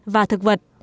và thực vật